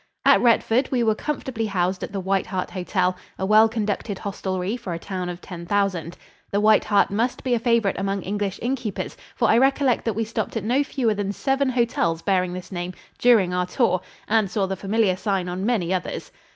At Retford we were comfortably housed at the White Hart Hotel, a well conducted hostelry for a town of ten thousand. The "White Hart" must be a favorite among English innkeepers, for I recollect that we stopped at no fewer than seven hotels bearing this name during our tour and saw the familiar sign on many others.